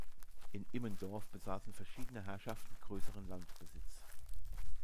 In Immendorf besaßen verschiedene Herrschaften größeren Landbesitz.